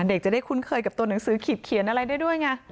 เด็กจะได้คุ้นเคยกับตัวหนังสือขีดเขียนอะไรได้ด้วยไง